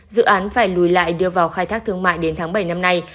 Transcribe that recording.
dự án phải lùi lại đưa vào khai thác thương mại đến tháng bảy năm nay